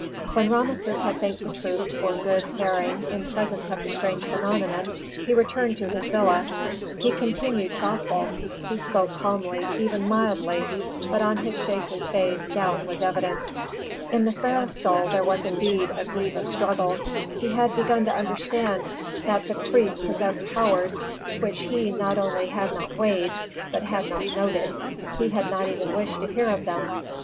When Rameses had thanked the troops for good bearing in presence of the strange phenomenon, he returned to his villa. He continued thoughtful, he spoke calmly, even mildly, but on his shapely face doubt was evident. In the pharaoh's soul there was indeed a grievous struggle. He had begun to understand that the priests possessed powers which he not only had not weighed, but had not noted; he had not even wished to hear of them.